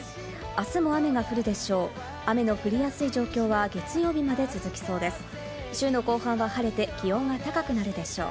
明日も雨が降るでしょう。